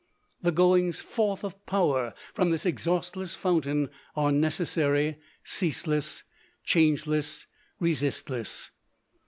The goings forth of power from this exhaustless fountain are necessary, ceaseless, changeless, resistless.